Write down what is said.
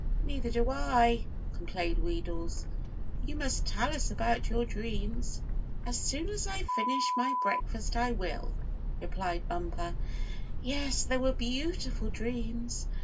"Neither do I," complained Wheedles. "You must tell us about your dreams." "As soon as I finish my breakfast I will," replied Bumper. "Yes, they were beautiful dreams!